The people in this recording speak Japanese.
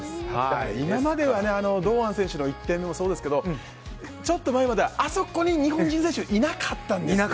今までは堂安選手の１点目もそうですけどちょっと前まではあそこに日本人選手がいなかったんですよね。